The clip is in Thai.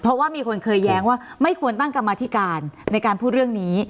เพราะว่ามีคนเคยแย้งว่าไม่ควรตั้งกรรมธิการในการพูดเรื่องนี้